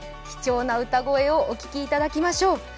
貴重な歌声をお聴きいただきましょう。